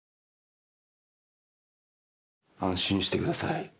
安心してください。